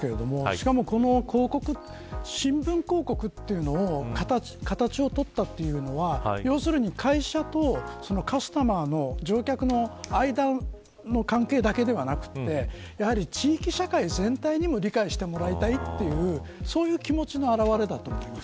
しかもこの広告新聞広告という形をとったというのは会社とカスタマーの間の関係だけではなくて地域社会全体にも理解してもらいたいというそういう気持ちの表れだと思います。